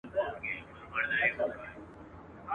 له سرحد څخه یې حال دی را لېږلی !.